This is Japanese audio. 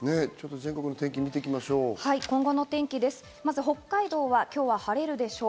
全国の天気を見ましょう。